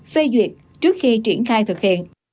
phê duyệt trước khi triển khai thực hiện